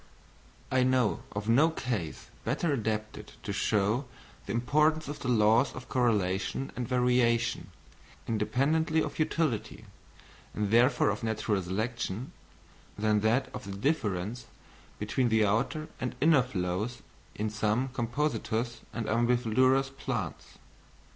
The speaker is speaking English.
I know of no case better adapted to show the importance of the laws of correlation and variation, independently of utility, and therefore of natural selection, than that of the difference between the outer and inner flowers in some Compositous and Umbelliferous plants.